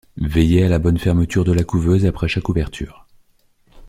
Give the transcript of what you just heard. Veiller à la bonne fermeture de la couveuse après chaque ouverture.